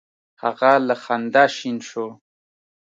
هغه له خندا شین شو: